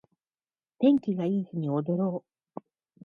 天気がいい日に踊ろう